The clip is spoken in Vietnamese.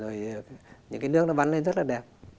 rồi những cái nước nó bắn lên rất là đẹp